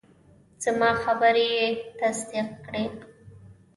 زما خبرې یې تصدیق کړې.